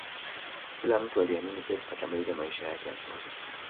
Kila mtu aliamini pep atamaliza maisha yake ya soka